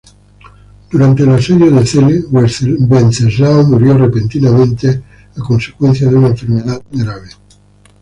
Durante el asedio de Celle Venceslao murió repentinamente a consecuencia de una enfermedad grave.